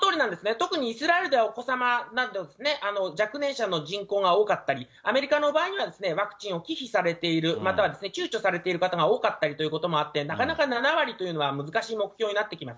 特にイスラエルでは、お子様などですね、若年者の人口が多かったり、アメリカの場合にはワクチンを忌避されている、またはちゅうちょされている方が多かったりということもあって、なかなか７割というのは難しい目標になってきます。